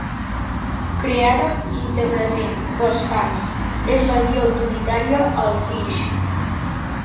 Creada íntegrament pels fans, és la guia autoritària al Phish.